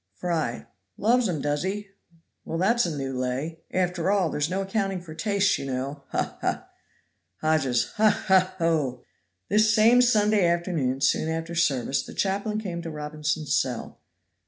Fry. Loves 'em, does he? Well, that's a new lay! After all, there's no accounting for tastes, you know. Haw! haw! Hodges. Haw! haw! ho! This same Sunday afternoon, soon after service, the chaplain came to Robinson's cell.